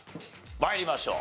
参りましょう。